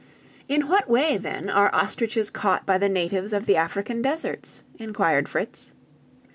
"In what way, then, are ostriches caught by the natives of the African deserts?" inquired Fritz.